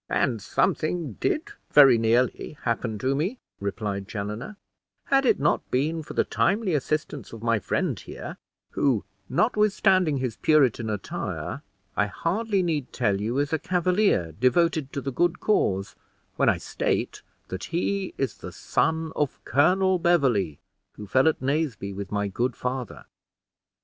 "And something did very nearly happen to me," replied Chaloner, "had it not been for the timely assistance of my friend here, who, notwithstanding his Puritan attire, I hardly need tell you, is a Cavalier devoted to the good cause, when I state that he is the son of Colonel Beverley, who fell at Naseby with my good father."